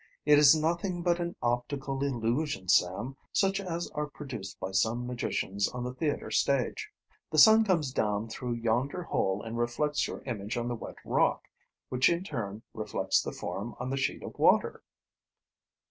"It is nothing but an optical illusion, Sam, such as are produced by some magicians on the theater stage. The sun comes down through yonder hole and reflects your image on the wet rock, which in turn reflects the form on the sheet of water."